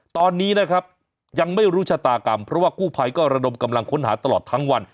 ตอนนี้นะครับยังไม่รู้ชะตากรรมเพราะว่ากู้ภัยก็ระดมกำลังค้นหาตลอดทั้งวัน